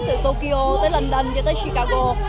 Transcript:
từ tokyo tới london cho tới chicago